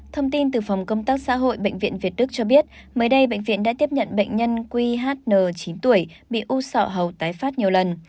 thông tin từ phòng công tác xã hội bệnh viện việt đức cho biết mới đây bệnh viện đã tiếp nhận bệnh nhân qhn chín tuổi bị u sọ hầu tái phát nhiều lần